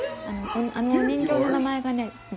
あのお人形の名前がね